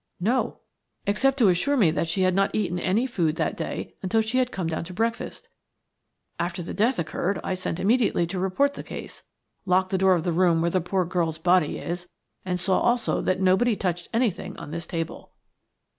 "No, except to assure me that she had not eaten any food that day until she had come down to breakfast. After the death occurred I sent immediately to report the case, locked the door of the room where the poor girl's body is, and saw also that nobody touched anything on this table."